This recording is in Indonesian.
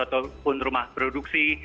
ataupun rumah produksi